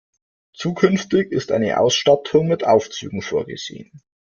Zukünftig ist eine Ausstattung mit Aufzügen vorgesehen.